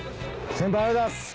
先輩ありがとうございます！